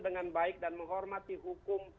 dengan baik dan menghormati hukum